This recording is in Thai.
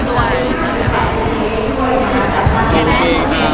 ใช่ใช่